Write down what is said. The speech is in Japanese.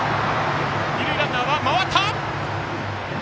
二塁ランナー回った！